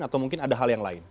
atau mungkin ada hal yang lain